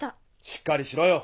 しっかりしろよ